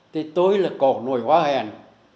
thì tôi là cổ nổi hóa hèn